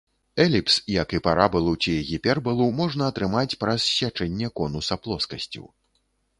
Эліпс, як і парабалу ці гіпербалу, можна атрымаць праз сячэнне конуса плоскасцю.